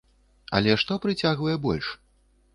Але што прыцягвае больш?